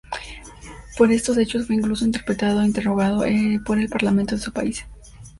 Por estos hechos fue incluso interpelado e interrogado por el parlamento de su país.